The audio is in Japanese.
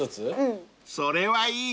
［それはいい］